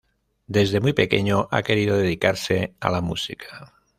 Desde muy pequeño ha querido dedicarse a la música.